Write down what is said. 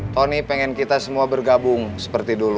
tony pengen kita semua bergabung seperti dulu